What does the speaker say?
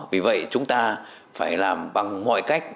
vì vậy chúng ta phải làm bằng mọi cách